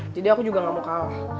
jadi aku juga gak mau kalah